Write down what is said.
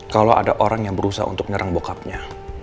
kalau ada orang yang berusaha untuk menyerang bokapnya